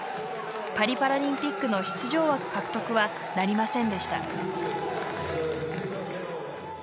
パリパラリンピックの出場枠獲得はなりませんでした。